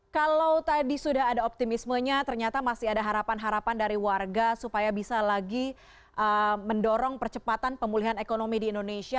kalau tadi sudah ada optimismenya ternyata masih ada harapan harapan dari warga supaya bisa lagi mendorong percepatan pemulihan ekonomi di indonesia